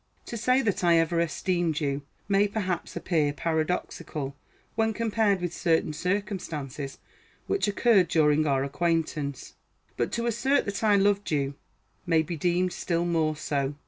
To say that I ever esteemed you may, perhaps, appear paradoxical when compared with certain circumstances which occurred during our acquaintance; but to assert that I loved you may be deemed still more so.